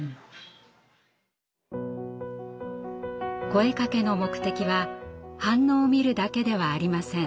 声かけの目的は反応を見るだけではありません。